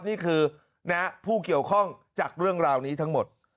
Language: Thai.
นี่คือผู้เกี่ยวข้องจากเรื่องราวนี้ทั้งหมด